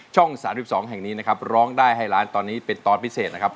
๓๒แห่งนี้นะครับร้องได้ให้ล้านตอนนี้เป็นตอนพิเศษนะครับ